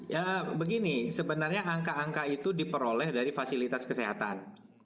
ya begini sebenarnya angka angka itu diperoleh dari fasilitas kesehatan